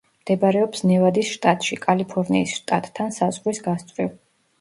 მდებარეობს ნევადის შტატში, კალიფორნიის შტატთან საზღვრის გასწვრივ.